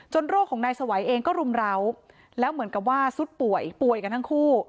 โรคของนายสวัยเองก็รุมร้าวแล้วเหมือนกับว่าสุดป่วยป่วยกันทั้งคู่